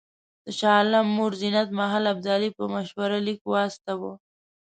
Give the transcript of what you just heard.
د شاه عالم مور زینت محل ابدالي په مشوره لیک واستاوه.